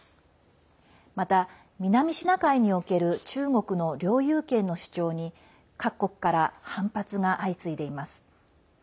また南シナ海における中国の領有権の主張に各国から反発が相次いでいます。